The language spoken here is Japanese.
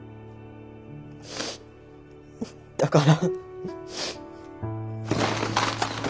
だから。